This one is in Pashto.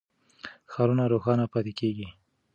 ښارونه روښانه پاتې کېږي.